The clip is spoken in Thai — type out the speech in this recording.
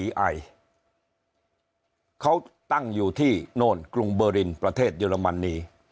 เขาตั้งอยู่ที่โน่นกรุงเบอร์รินประเทศเยอรมนี